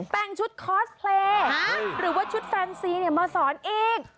แปลงชุดคอสเพลย์หรือว่าชุดแฟนซีเนี่ยมาสอนอีก